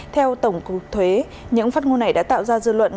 theo tổng cục thuế những phát ngôn này đã tạo ra dư luận